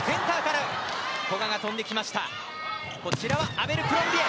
アベルクロンビエ！